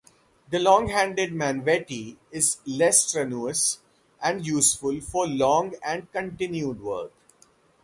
The long handled Manvetti is less strenuous and useful for long and continued work.